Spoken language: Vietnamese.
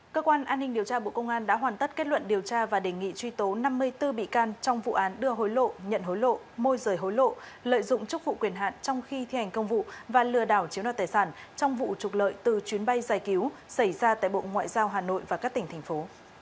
cơ quan an ninh điều tra bộ công an đã hoàn tất kết luận điều tra và đề nghị truy tố năm mươi bốn bị can trong vụ án đưa hối lộ nhận hối lộ môi rời hối lộ lợi dụng chức vụ quyền hạn trong khi thi hành công vụ và lừa đảo chiếu nọ tài sản trong vụ trục lợi từ chuyến bay giải cứu xảy ra tại bộ ngoại giao hà nội và các tỉnh thành phố